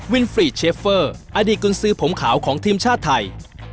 ฟรีดเชฟเฟอร์อดีตกุญสือผมขาวของทีมชาติไทย